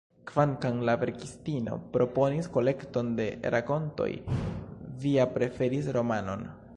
Kvankam la verkistino proponis kolekton de rakontoj, Via preferis romanon.